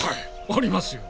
ありますよ。